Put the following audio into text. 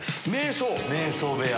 瞑想部屋！